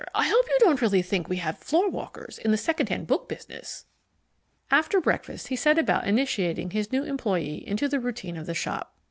"I hope you don't really think we have floorwalkers in the second hand book business." After breakfast he set about initiating his new employee into the routine of the shop.